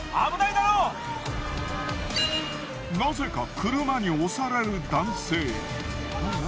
なぜか車に押される男性。